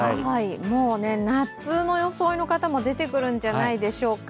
もう夏の装いの方も出てくるんじゃないでしょうか。